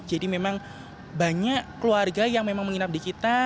jadi memang banyak keluarga yang memang menginap di kita